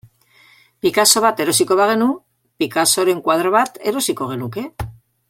Picasso bat erosiko bagenu, Picassoren koadro bat erosiko genuke.